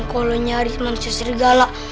kalau nyari monster serigala